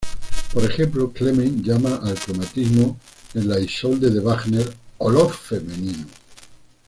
Por ejemplo, Clement llama al cromatismo en la "Isolde" de Wagner "olor femenino".